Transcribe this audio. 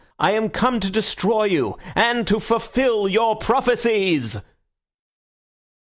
I am come to destroy you, and to fulfil your prophecies.